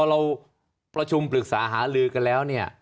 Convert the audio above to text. เราประชุมปรึกษาหาลือกันแล้วเนี่ย